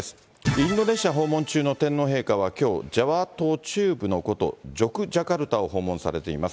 インドネシア訪問中の天皇陛下はきょう、ジャワ島中部の古都・ジョクジャカルタを訪問されています。